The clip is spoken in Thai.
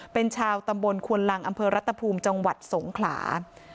เป็นชาวตำบลควนลังอำเภอรัตภูมิจังหวัดสงขลา